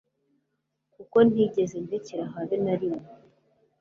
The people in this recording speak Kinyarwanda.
Kuko ntigeze ndekera habe narimwe